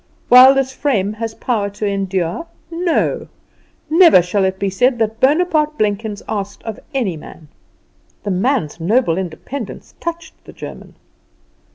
While this frame has power to endure, NO. Never shall it be said that Bonaparte Blenkins asked of any man.'" The man's noble independence touched the German.